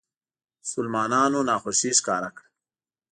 مسلمانانو ناخوښي ښکاره کړه.